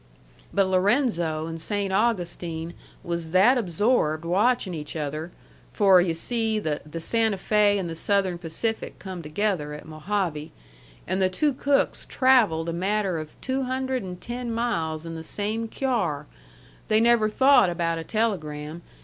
But Lorenzo and Saynt Augustine was that absorbed watchin' each other for, yu' see, the Santa Fe and the Southern Pacific come together at Mojave, an' the two cooks travelled a matter of two hundred an' ten miles in the same cyar they never thought about a telegram.